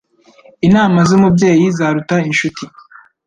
Inama z'umubyeyi zaruta inshuti